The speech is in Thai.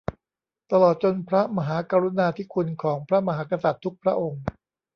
ตลอดจนพระมหากรุณาธิคุณของพระมหากษัตริย์ทุกพระองค์